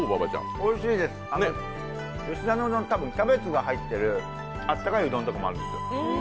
吉田のうどん、キャベツが入ってるあったかいうどんとかもあるんです。